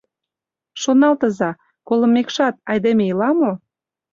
Шоналтыза: колымекшат, айдеме ила мо?